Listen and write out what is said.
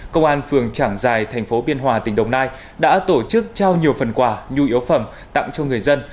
công an phường trảng giài thành phố biên hòa tỉnh đồng nai đã tổ chức trao nhiều phần quà nhu yếu phẩm tặng cho người dân